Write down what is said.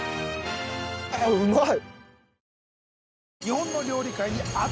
あっうまい！